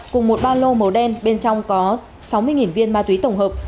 cùng một ba lô màu đen bên trong có sáu mươi viên ma túy tổng hợp